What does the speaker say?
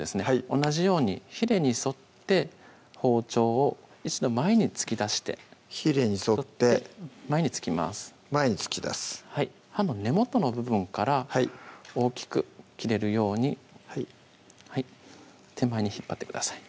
同じようにひれに沿って包丁を一度前に突き出してひれに沿って前に突きます前に突き出す刃の根元の部分から大きく切れるように手前に引っ張ってください